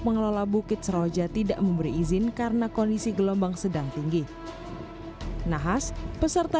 mengelola bukit seroja tidak memberi izin karena kondisi gelombang sedang tinggi nahas peserta